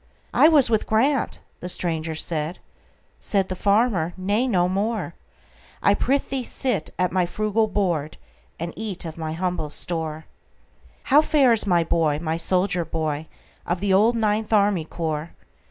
"I was with Grant"—the stranger said; Said the farmer, "Nay, no more,—I prithee sit at my frugal board, And eat of my humble store."How fares my boy,—my soldier boy, Of the old Ninth Army Corps?